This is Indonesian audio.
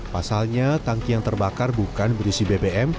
pasalnya tangki yang terbakar bukan berisi bbm